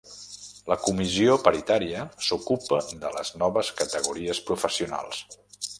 La Comissió Paritària s'ocupa de les noves categories professionals.